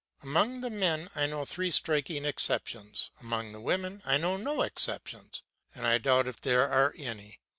Among the men I know three striking exceptions, among the women I know no exceptions, and I doubt if there are any.